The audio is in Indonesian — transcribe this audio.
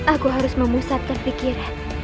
aku harus memusatkan pikiran